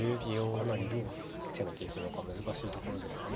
かなりどう攻めていくのか難しいところですかね。